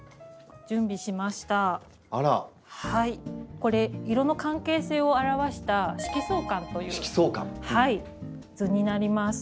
これ色の関係性を表した「色相環」という図になります。